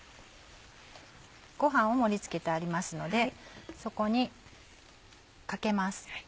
ご飯を盛り付けてありますのでそこにかけます。